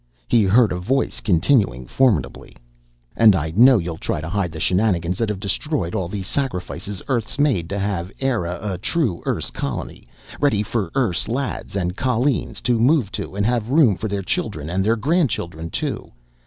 He heard a voice continuing, formidably: "And I know ye'll try to hide the shenanigans that've destroyed all the sacrifices Earth's made to have Eire a true Erse colony, ready for Erse lads and colleens to move to and have room for their children and their grandchildren too.